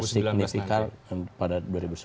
signifikan pada dua ribu sembilan belas